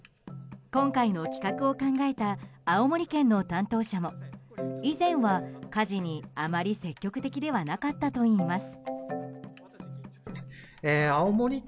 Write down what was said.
今回の企画を考えた青森県の担当者も以前は家事にあまり積極的ではなかったといいます。